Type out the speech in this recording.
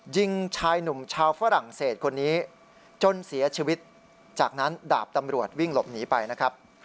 ยิงชายหนุ่มชาวฝรั่งเศสคนนี้จนเสียชีวิตจากนั้นดาบตำรวจวิ่งหลบหนีไปนะครับ